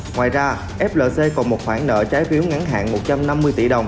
ngoài ra flc còn một khoản nợ trái phiếu ngắn hạn một trăm năm mươi tỷ đồng